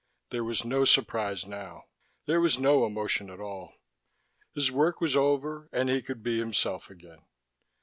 There was no surprise now. There was no emotion at all: his work was over and he could be himself again.